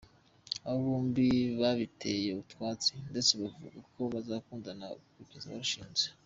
Aba bombi babiteye utwatsi ndetse bavuga ko bazakundana kugeza barushinze.